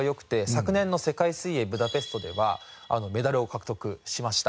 昨年の世界水泳ブダペストではメダルを獲得しました。